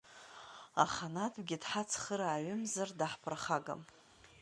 Аханатәгьы дҳацхрааҩымзар даҳԥырхагам.